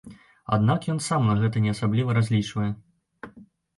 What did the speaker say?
Аднак ён сам на гэта не асабліва разлічвае.